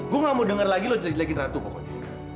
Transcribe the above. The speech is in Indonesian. gue gak mau denger lagi lo cerita jelekin ratu pokoknya